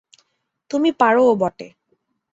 তুমি পারোও বটে।